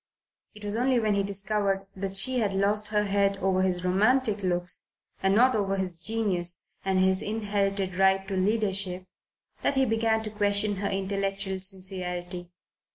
It was only when he discovered that she had lost her head over his romantic looks, and not over his genius and his inherited right to leadership, that he began to question her intellectual sincerity.